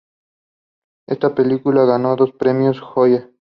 Esta película ganó dos premios Goya.